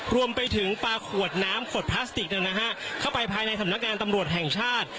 รวมไปถึงปลาขวดน้ำขวดพลาสติกเข้าไปภายในสำนักงานตำรวจแห่งชาติ